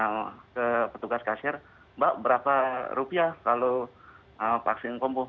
mbak berapa rupiah kalau vaksin kombo